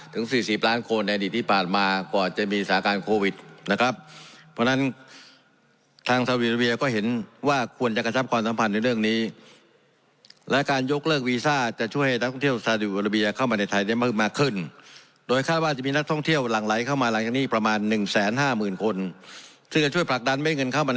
ถึงสี่สิบล้านคนในอดีตที่ผ่านมาก่อนจะมีสาการโควิดนะครับ